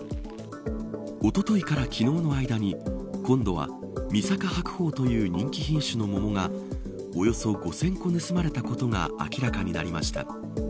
おとといから昨日の間に今度は、みさか白鳳という人気品種の桃がおよそ５０００個の盗まれたことが明らかになりました。